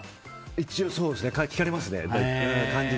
一応聞かれますね、漢字で。